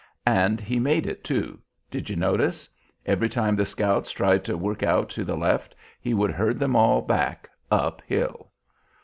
And he made it, too; did you notice? Every time the scouts tried to work out to the left he would herd them all back up hill."